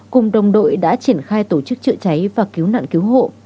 cùng đồng đội đã triển khai tổ chức chữa cháy và cứu nạn cứu hộ